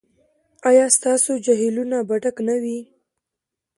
ایا ستاسو جهیلونه به ډک نه وي؟